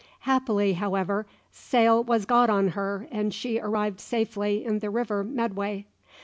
Happily, however, sail was got on her and she arrived safely in the river Medway.